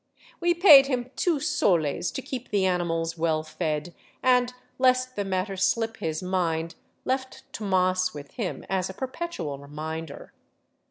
We paid him two soles to keep the animals well fed and, lest the matter slip his mind, left Tomas with him as a perpetual reminder.